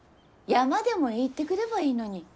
山でも行ってくればいいのに。